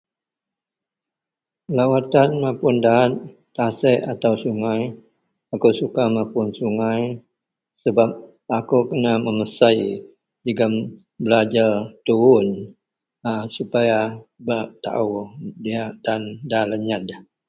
Lawatan mapun daat, tasek atau sungai, akou suka mapun sungai sebab akou kena memesei jegem belajer tuwun a supaya bak taou diyak tan nda lenyed.